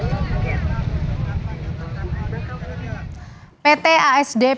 pemundik motor terlihat memadati pemundik motor sejak jumat kemarin